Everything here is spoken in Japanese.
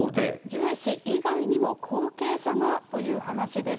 ジュエ氏以外にも後継者がという話です。